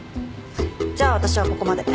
じゃあ私はここまで。